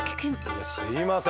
いやすいません。